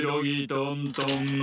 トントン